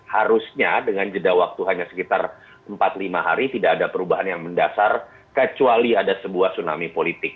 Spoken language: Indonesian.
harusnya dengan jeda waktu hanya sekitar empat lima hari tidak ada perubahan yang mendasar kecuali ada sebuah tsunami politik